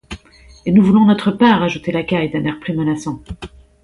Et nous voulons notre part, ajoutait Lacaille, d’un air plus menaçant.